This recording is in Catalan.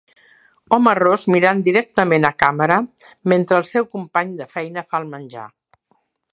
Home ros mirant directament a càmera mentre el seu company de feina fa el menjar.